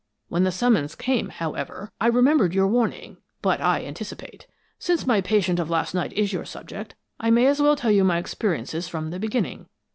When the summons came, however, I remembered your warning but I anticipate. Since my patient of last night is your subject, I may as well tell you my experiences from the beginning.